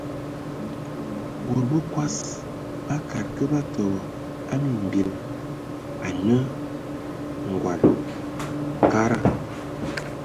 Bod bəkɔs bakad kə batɔbɔ a mimbil anə:ngɔl, kada.